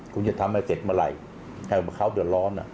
คุณจะทำให้เสร็จเมื่อไหร่ให้เขาเดือดร้อน